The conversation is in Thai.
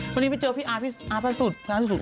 วันนี้ซะเจอพี่อ้าพี่อ้าแพ้สุด